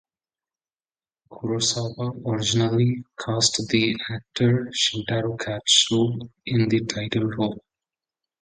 Kurosawa originally cast the actor Shintaro Katsu in the title role.